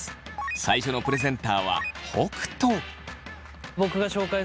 最初のプレゼンターは北斗。